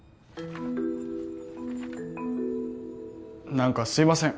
なんかすいません。